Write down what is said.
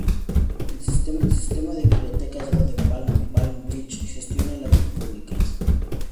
El Sistema de Bibliotecas del Condado de Palm Beach gestiona las bibliotecas públicas.